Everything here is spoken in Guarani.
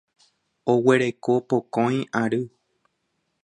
Oguereko pokõi ary.